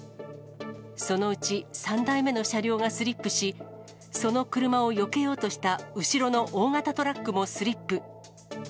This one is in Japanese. そのうち３台目の車両がスリップし、その車をよけようとした後ろの大型トラックもスリップ。